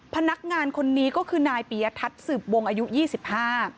พนักงานคนนี้ก็คือนายปียทัศน์สืบวงอายุยี่สิบห้า